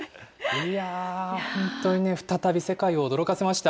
いやー、本当にね、再び世界を驚かせました。